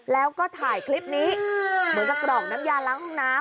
แล้วก็ถ่ายคลิปนี้เหมือนกับกรอกน้ำยาล้างห้องน้ำ